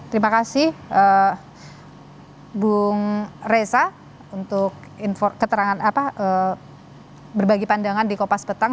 terima kasih bung reza untuk keterangan apa berbagi pandangan di kopas petang